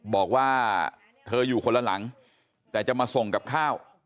บอกว่าเธออยู่คนละหลังแต่จะมาส่งกับข้าว